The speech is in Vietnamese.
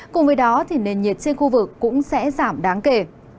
cùng với đó nền nhiệt trên khu vực cũng sẽ giảm đáng kể